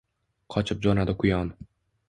Qochib jo‘nadi quyon.